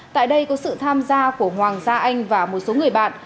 tại đây có sự tham gia của hoàng gia anh và một số người bạn